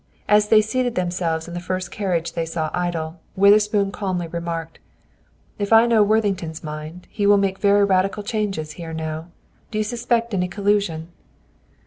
As they seated themselves in the first carriage they saw idle, Witherspoon calmly remarked, "If I know Worthington's mind, he will make very radical changes here now. Do you suspect any collusion?"